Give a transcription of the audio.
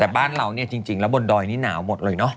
แต่บ้านเราจริงแล้วบนดอยนี้หนาวหมดเลยนะ